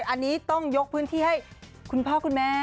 อันนี้ต้องยกพื้นที่ให้คุณพ่อคุณแม่